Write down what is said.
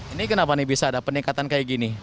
ini kenapa nih bisa ada peningkatan kayak gini